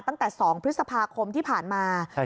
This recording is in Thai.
ตั้งแต่๒พฤษภาคมที่ผ่านมา